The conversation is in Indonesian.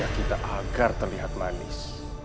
kita agar terlihat manis